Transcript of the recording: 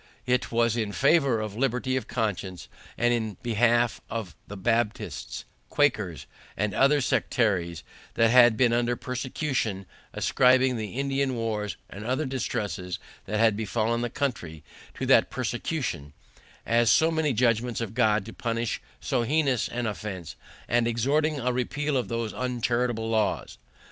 It was in favour of liberty of conscience, and in behalf of the Baptists, Quakers, and other sectaries that had been under persecution, ascribing the Indian wars, and other distresses that had befallen the country, to that persecution, as so many judgments of God to punish so heinous an offense, and exhorting a repeal of those uncharitable laws.